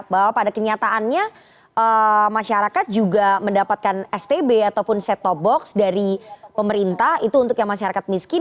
bahwa pada kenyataannya masyarakat juga mendapatkan stb ataupun set top box dari pemerintah itu untuk yang masyarakat miskin